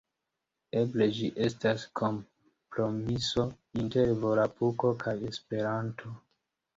Eble ĝi estas kompromiso inter volapuko kaj Esperanto.